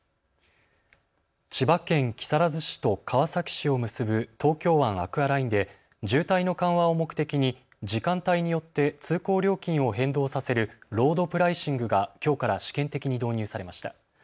千葉県木更津市と川崎市を結ぶ東京湾アクアラインで渋滞の緩和を目的に時間帯によって通行料金を変動させるロードプライシングがきょうから試験的に導入されました。